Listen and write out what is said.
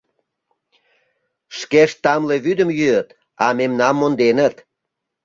— Шкешт тамле вӱдым йӱыт, а мемнам монденыт.